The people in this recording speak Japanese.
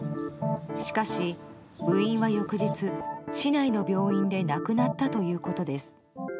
しかし、部員は翌日市内の病院で亡くなったということです。